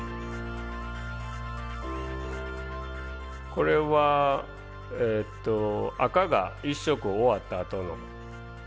これは赤が１色終わったあとの見た目ですね。